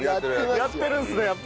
やってるんですねやっぱ。